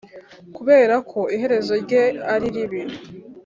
kuberako iherezo rye ariribi